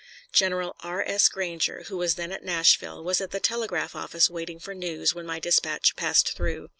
General R. S. Granger, who was then at Nashville, was at the telegraph office waiting for news when my dispatch passed through.